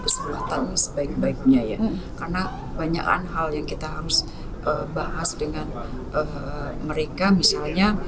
kesempatan sebaik baiknya ya karena banyak hal yang kita harus bahas dengan mereka misalnya